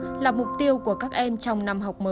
đây là một trong những mục tiêu của các em trong năm học mới